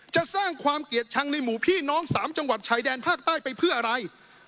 จะสร้างความเกลียดชังในหมู่พี่น้อง๓จังหวัดชายแดนภาคใต้ไปเพื่ออะไร